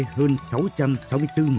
nước ta có diện tích cà phê